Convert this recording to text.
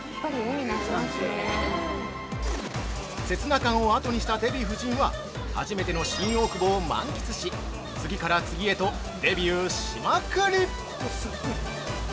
◆刹那館を後にしたデヴィ夫人は初めての新大久保を満喫し次から次へとデビューしまくり！